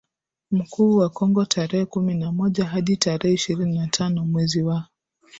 Mkuu wa Kongo tarehe kumi na moja hadi tarehe ishirini na tano mwezi wa